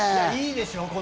いいでしょ？